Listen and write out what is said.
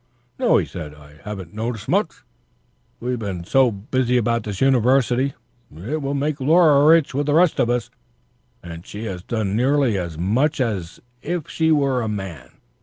"No," he said, "I haven't noticed much. We've been so busy about this University. It will make Laura rich with the rest of us, and she has done nearly as much as if she were a man.